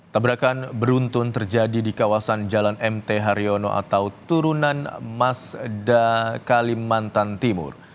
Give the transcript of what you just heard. tabrakan beruntun terjadi di kawasan jalan mt haryono atau turunan masda kalimantan timur